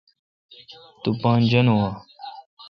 تو پان جانون اں؟